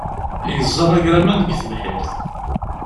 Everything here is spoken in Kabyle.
Yeẓẓa amagraman deg tebḥirt.